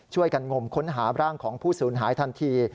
งมค้นหาร่างของผู้สูญหายทันที